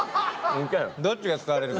どっちが使われるか。